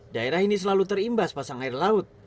daerah ini selalu terimbas pasang air laut